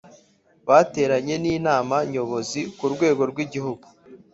bateranye n inama Nyobozi ku rwego rw Igihugu